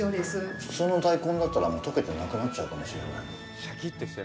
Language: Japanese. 普通の大根だったら、溶けてなくなっちゃうかもしれない。